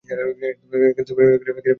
তখন আমরাও অনেক কিছু অনুধাবন করিনি।